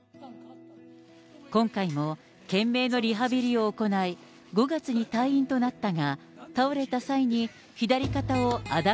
今回も懸命のリハビリを行い、５月に退院となったが、倒れた際に左肩を亜脱臼。